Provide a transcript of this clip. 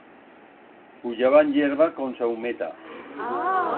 Puyaban hierba con saumeta.